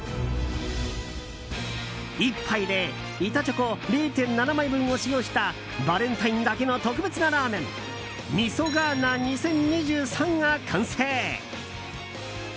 １杯で板チョコ０．７枚分を使用したバレンタインだけの特別なラーメン味噌ガーナ２０２３が完成！